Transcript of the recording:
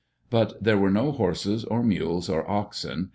But there were no horses or mules or oxen.